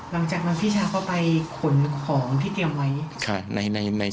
หลังจากนั้นพี่ชายก็ไปขนของที่เตรียมไว้ในใน